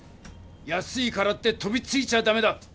安いからって飛びついちゃダメだ！